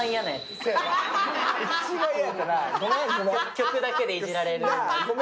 曲だけでいじられる。